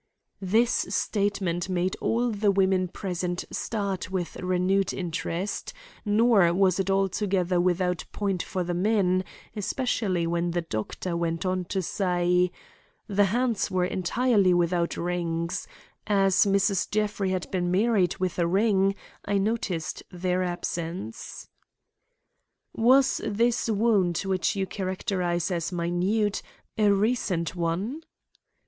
This statement made all the women present start with renewed interest; nor was it altogether without point for the men, especially when the doctor went on to say: "The hands were entirely without rings. As Mrs. Jeffrey had been married with a ring, I noticed their absence." "Was this wound which you characterize as minute a recent one?"